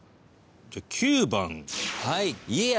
じゃ９番。